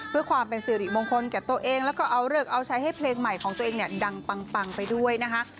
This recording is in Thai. เพื่อความเป็นสิริมงคลแก่ตัวเองแล้วก็เอาเลิกเอาใช้ให้เพลงใหม่ของตัวเองเนี่ยดังปังไปด้วยนะคะ